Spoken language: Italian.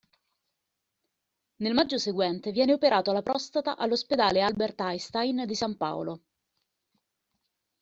Nel maggio seguente viene operato alla prostata all'ospedale Albert Einstein di San Paolo.